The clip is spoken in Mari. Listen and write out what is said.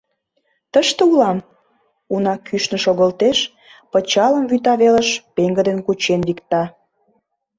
— Тыште улам, — уна кӱшнӧ шогылтеш, пычалым вӱта велыш пеҥгыдын кучен викта.